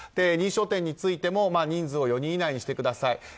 認証店についても人数を４人以内にしてください。